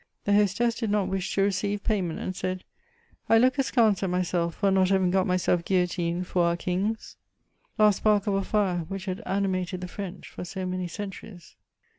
The hostess did not wish to receive payment, and said: "I look askance at myself for not having got myself guillotined for our kings." Last spark of a fire which had animated the French for so many centuries.